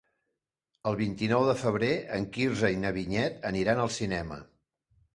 El vint-i-nou de febrer en Quirze i na Vinyet aniran al cinema.